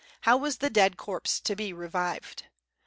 How was the dead corpse to be revived?